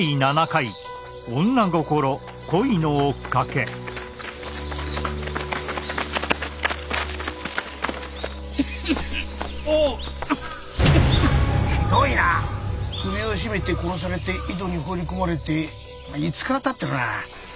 首を絞めて殺されて井戸に放り込まれてまあ５日はたってるなぁ。